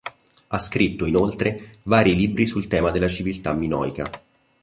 Ha scritto, inoltre, vari libri sul tema della civiltà minoica.